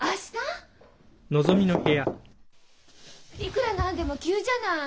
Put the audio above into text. いくらなんでも急じゃない！